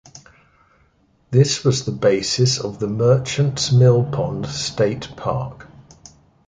This was the basis of the Merchants Millpond State Park.